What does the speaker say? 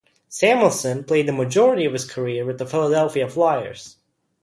Samuelsson played the majority of his career with the Philadelphia Flyers.